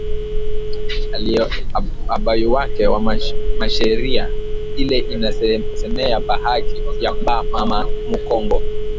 Abayuwake ma sheria ile ina semeya pa haki ya ba mama mu kongo